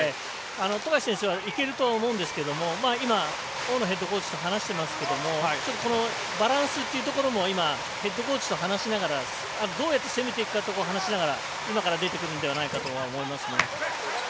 富樫選手はいけると思うんですけど今、大野ヘッドコーチと話していますけれどもバランスというところもヘッドコーチとどうやって攻めていくかということを話しながら今から出てくるのではないかと思いますね。